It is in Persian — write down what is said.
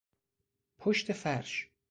پشت فرش